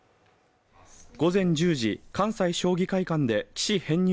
午前１０時関西将棋会館で棋士編入